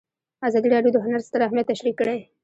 ازادي راډیو د هنر ستر اهميت تشریح کړی.